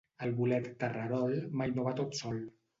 El bolet terrerol mai no va tot sol.